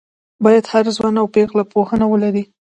باید هر ځوان او پېغله پوهنه ولري